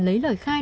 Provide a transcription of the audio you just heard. lấy lời khai